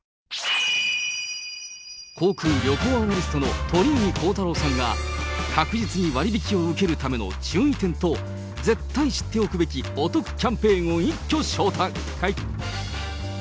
航空・旅行アナリストの鳥海高太朗さんが、確実に割引を受けるための注意点と、絶対知っておくべきお得キャンペーンを一挙紹介。